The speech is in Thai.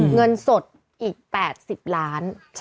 เงินสดอีก๘๐ล้าน